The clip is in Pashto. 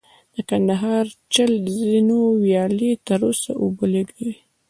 د کندهار چل زینو ویالې تر اوسه اوبه لېږدوي